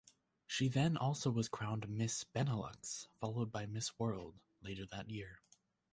She then also was crowned Miss Benelux, followed by Miss World later that year.